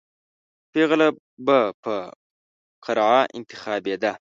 پېغله به په قرعه انتخابېده.